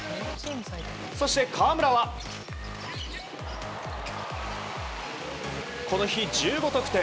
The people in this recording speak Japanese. そして、河村はこの日１５得点。